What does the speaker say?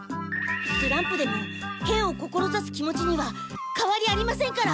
スランプでも剣をこころざす気持ちにはかわりありませんから！